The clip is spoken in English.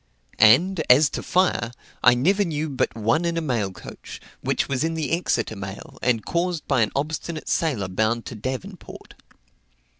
And, as to fire, I never knew but one in a mail coach, which was in the Exeter mail, and caused by an obstinate sailor bound to Devonport.